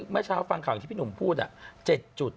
เมื่อเช้าฟังข่าวอย่างที่พี่หนุ่มพูด๗จุด